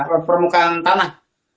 ke permukaan tanah